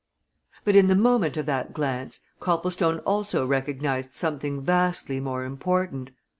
But in the moment of that glance Copplestone also recognized something vastly more important.